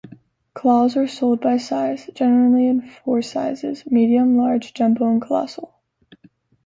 Claws are sold by size, generally in four sizes: medium, large, jumbo, and colossal.